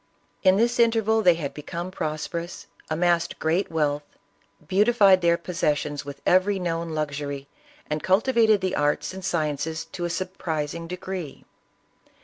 In this interval they had become prosperous, amassed great wealth, beautified their possessions with every known luxury, and cultivated the arts and sciences to a surprising degree.